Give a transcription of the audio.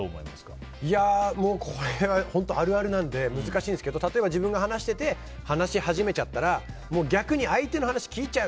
これは本当あるあるなので難しいんですけど例えば自分が話してて話し始めちゃったら逆に、相手の話を聞いちゃう。